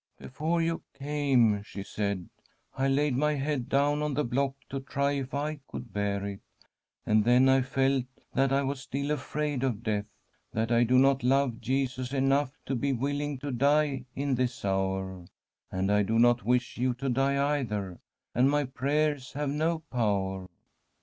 ' Before you came,' she said, ' I laid my head down on the block to try if I could bear it ; and then I felt that I was still afraid of death, that I do not love Jesus enough to be willing to die in this hour ; and I do not wish you to die either, and my prayers have no power.'